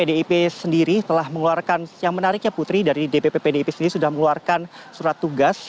pdip sendiri telah mengeluarkan yang menariknya putri dari dpp pdip sendiri sudah mengeluarkan surat tugas